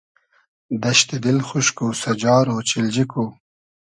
دئشتی دیل خوشک و سئجار اۉچیلجی کو